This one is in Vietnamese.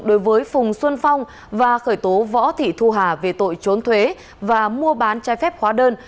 đối với phùng xuân phong và khởi tố võ thị thu hà về tội trốn thuế và mua bán trái phép hóa đơn